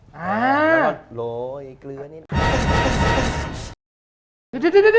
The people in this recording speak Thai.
แล้วโหลยเกลือนิดหน่อย